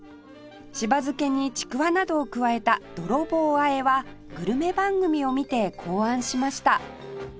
しば漬けにちくわなどを加えたどろぼう和えはグルメ番組を見て考案しました